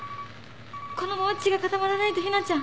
このまま血が固まらないとひなちゃん。